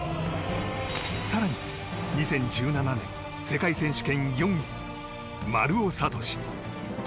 更に、２０１７年世界選手権４位丸尾知司。